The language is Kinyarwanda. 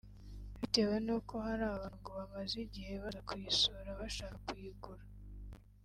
bitewe n’uko hari abantu ngo bamaze igihe baza kuyisura bashaka kuyigura